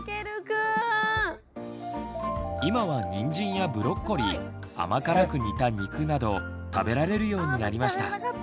今はにんじんやブロッコリー甘辛く煮た肉など食べられるようになりました。